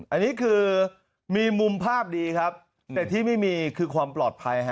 อันนี้คือมีมุมภาพดีครับแต่ที่ไม่มีคือความปลอดภัยฮะ